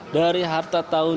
dari harta tahun dua ribu empat